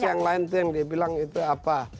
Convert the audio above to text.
tugas yang lain itu yang dibilang itu apa